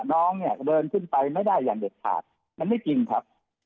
น้องเนี่ยเดินขึ้นไปไม่ได้อย่างเด็ดขาดมันไม่จริงครับ